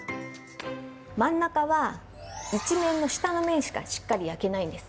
真ん中は一面の下の面しかしっかり焼けないんです。